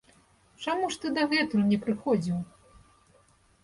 Чаму ж ты дагэтуль не прыходзіў?